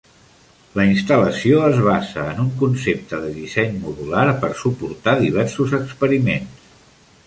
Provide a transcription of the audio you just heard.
La instal·lació es basa en un concepte de disseny modular per suportar diversos experiments.